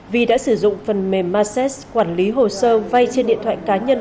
vi đã sử dụng phần mềm masses quản lý hồ sơ vay trên địa bàn